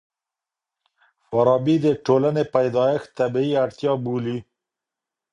فارابي د ټولني پيدايښت طبيعي اړتيا بولي.